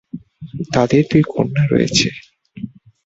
তাদের দুই কন্যা রয়েছে।